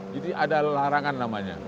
jadi ada larangan namanya